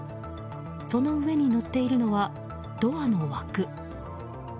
その上に載っているのはドアの枠。